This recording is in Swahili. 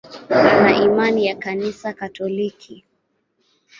Ana imani ya Kanisa Katoliki.